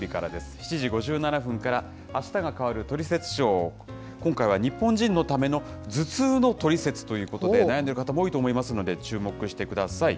７時５７分から、あしたが変わるトリセツショー、今回は日本人のための頭痛の取説ということで、悩んでいる方、多いと思うので、注目してください。